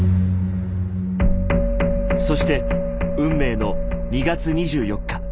そして運命の２月２４日。